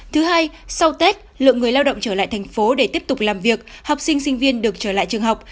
thứ hai sau tết lượng người lao động trở lại thành phố để tiếp tục làm việc học sinh sinh viên được trở lại trường học